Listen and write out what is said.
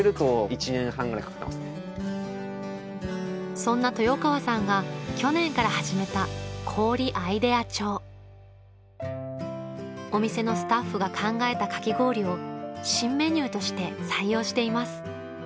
そんな豊川さんが去年から始めたお店のスタッフが考えたかき氷を新メニューとして採用しています